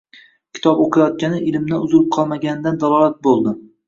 Kitob oʻqiyotgani, ilmdan uzilib qolmaganidan dalolat bo'ldi.